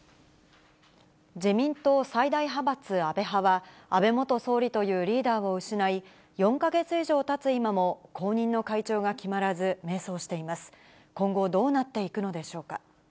自民党最大派閥安倍派は、安倍元総理というリーダーを失い、４か月以上たつ今も後任の会長が決まらず、迷走しています。